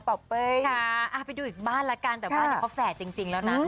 เป้ยค่ะไปดูอีกบ้านละกันแต่บ้านนี้เขาแฝดจริงแล้วนะ